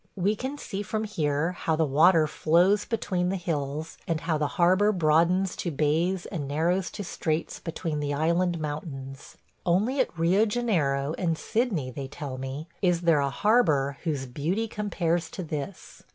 ... We can see from here how the water flows between the hills, and how the harbor broadens to bays and narrows to straits between the island mountains. Only at Rio Janeiro and Sydney, they tell me, is there a harbor whose beauty compares to this.